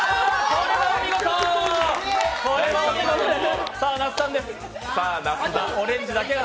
これはお見事です！